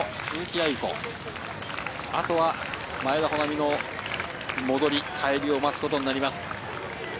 あとは前田穂南の帰りを待つことになります。